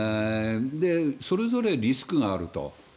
それぞれリスクがあると。